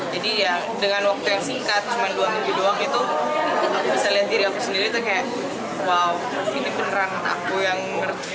jadi ya dengan waktu yang singkat cuma dua minggu doang itu bisa lihat diri aku sendiri itu kayak wow ini beneran aku yang ngerti